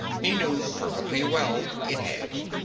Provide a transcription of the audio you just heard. He knew perfectly well it had.